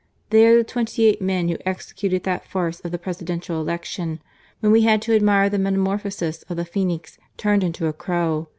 They are the twenty eight men who executed that farce of the Presidential Election, when we had to admire the metamorphosis of the phenix turned into a crow.